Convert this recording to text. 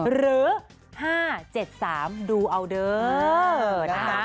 หรือ๕๗๓ดูเอาเดิ้น